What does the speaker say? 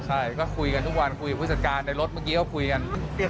ใช่ก็คุยกันทุกวันคุยกับผู้จัดการในรถเมื่อกี้ก็คุยกัน